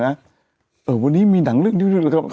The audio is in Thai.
เออวันนี้มีหนังเรื่องนี้เรื่องนี้เรื่องนี้